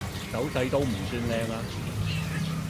走勢都唔算靚呀